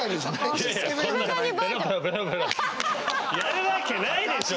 やるわけないでしょ！